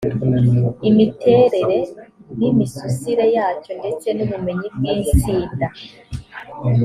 imiterere n’imisusire yacyo ndetse n’ubumenyi bw’insinda